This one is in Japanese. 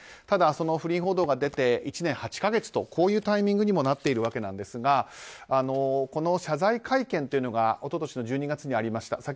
ただ、不倫報道が出て１年８か月とこういうタイミングにもなっているわけですがこの謝罪会見というのが一昨年１２月にありました。